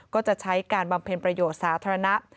ก็จะใช้การบำเพ็ญประโยชน์สาธารณะ